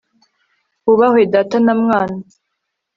hubahwe data na mwana